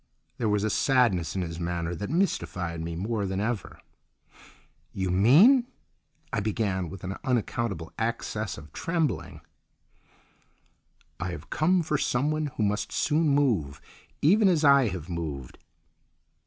There was a sadness in his manner that mystified me more than ever. "You mean—?" I began, with an unaccountable access of trembling. "I have come for someone who must soon move, even as I have moved."